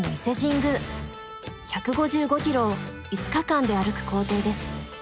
１５５ｋｍを５日間で歩く行程です。